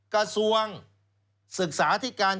กระทรวงศึกษาที่การ